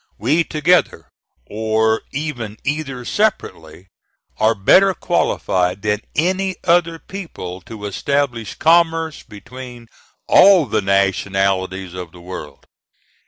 We together, or even either separately, are better qualified than any other people to establish commerce between all the nationalities of the world.